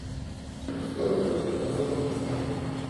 Слова просит посол Пакистана.